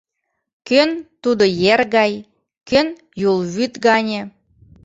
Кӧн тудо ер гай, кӧн — Юл вӱд гане…